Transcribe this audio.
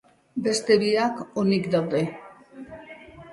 Beste biak onik daude.